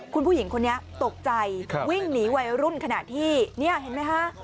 คุณผู้หญิงคนนี้ตกใจวิ่งหนีวัยรุ่นขณะที่นี่เห็นไหมคะ